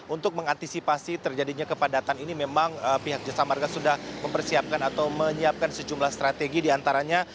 untuk mengantisipasi terjadinya kepadatan ini memang pihak jasa marga sudah mempersiapkan atau menyiapkan sejumlah strategi diantaranya